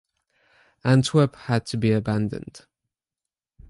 Antwerp had to be abandoned.